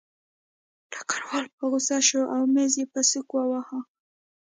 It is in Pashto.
ډګروال په غوسه شو او مېز یې په سوک وواهه